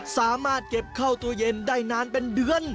สามารถเก็บเข้าตู้เย็นได้นานเป็นเดือน